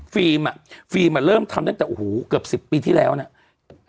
ฟรีมอ่ะฟรีมเริ่มทำตั้งแต่อ๋อหูเกือบสิบปีที่แล้วน่ะ